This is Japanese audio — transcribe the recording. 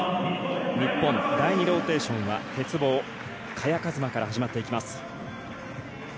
日本、第２ローテーションは鉄棒萱和磨から始まっていきます。